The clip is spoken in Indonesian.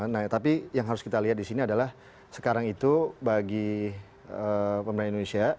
nah tapi yang harus kita lihat di sini adalah sekarang itu bagi pemerintah indonesia